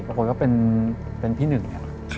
แล้วผมก็เป็นพี่หนึ่งเนี่ย